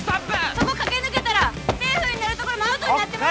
そこ駆け抜けたらセーフになるところもアウトになってまうよ